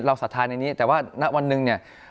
เราสัดทานในนี้แต่ว่านักวันหนึ่งเนี่ย